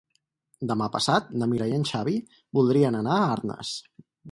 Demà passat na Mira i en Xavi voldrien anar a Arnes.